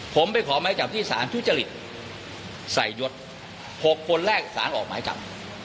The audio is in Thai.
ผมไปขอหมายจับที่สารทุจริตใส่ยศ๖คนแรกสารออกหมายจับ